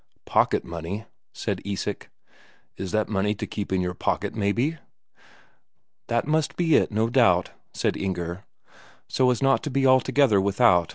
"Pocket money?" said Isak. "Is that money to keep in your pocket, maybe?" "That must be it, no doubt," said Inger. "So as not to be altogether without.